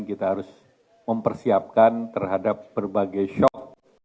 kita harus mempersiapkan terhadap berbagai shock